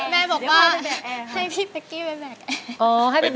แม่บอกว่าให้พี่เป๊กกี้ไปแบก